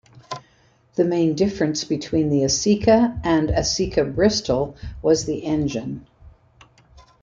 The main difference between the Aceca and Aceca-Bristol was the engine.